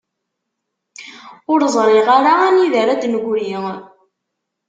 Ur ẓriɣ ara anida ara d-negri.